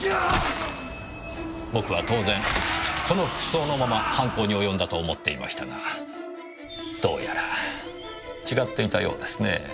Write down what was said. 僕は当然その服装のまま犯行におよんだと思っていましたがどうやら違っていたようですねえ。